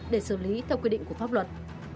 để xử lý theo quy định của pháp luật